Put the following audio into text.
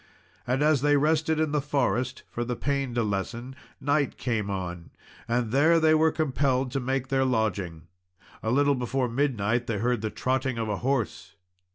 And as they rested in the forest for the pain to lessen, night came on, and there they were compelled to make their lodging. A little before midnight they heard the trotting of a horse.